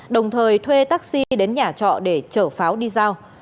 đồng thời thuê taxi đến nhà trọ để chở pháo đi giao